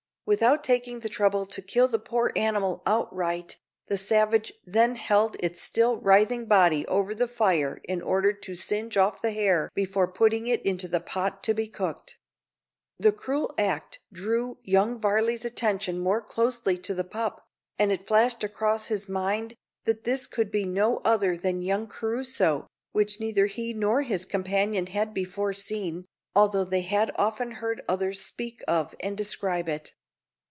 Without taking the trouble to kill the poor animal outright, the savage then held its still writhing body over the fire in order to singe off the hair before putting it into the pot to be cooked. The cruel act drew young Varley's attention more closely to the pup, and it flashed across his mind that this could be no other than young Crusoe, which neither he nor his companion had before seen, although they had often heard others speak of and describe it.